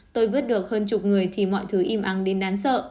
tôi vứt được hơn chục người thì mọi thứ im ăn đến đáng sợ